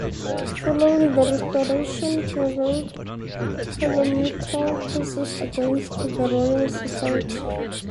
Following the Restoration he wrote polemical pieces against the Royal Society.